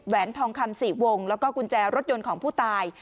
ทองคำ๔วงแล้วก็กุญแจรถยนต์ของผู้ตาย